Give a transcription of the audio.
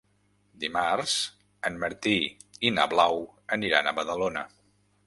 Dimarts en Martí i na Blau aniran a Badalona.